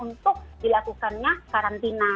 untuk dilakukannya karantina